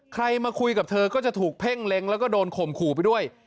มาคุยกับเธอก็จะถูกเพ่งเล็งแล้วก็โดนข่มขู่ไปด้วย